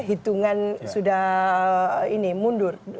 hitungan sudah ini mundur